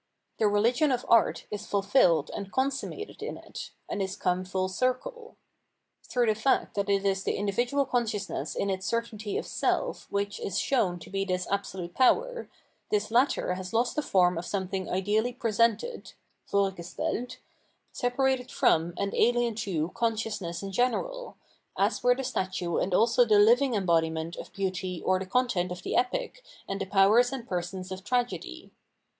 The religion of art is ful filled and consummated in it, and is come fuU circle. Through the fact that it is the mdividual conscious ness in its certaiuty of self which is shown to be this absolute power, this latter has lost the form of somethiug ideally presented (vorgesteUt), separated from and ahen to consciousness in general — as were the statue and also the living embodiment of beauty or the content of the Epic and the powers and persons of Tragedy.